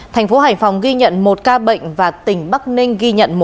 thành phố hải phòng ghi nhận một ca bệnh và tỉnh bắc ninh ghi nhận